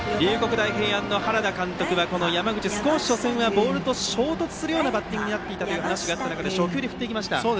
大平安の原田監督はこの山口は少し初戦はボールと衝突するようなバッティングをしていたという話があった中で初球を振っていきました。